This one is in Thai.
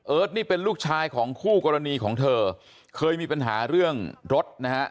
นี่เป็นลูกชายของคู่กรณีของเธอเคยมีปัญหาเรื่องรถนะฮะ